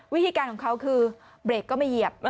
วิธีการของเขาคือเบรกก็ไม่เหยียบ